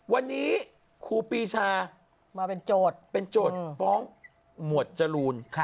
วันนี้ครูปีชามาเป็นโจทย์เป็นโจทย์ฟ้องหมวดจรูน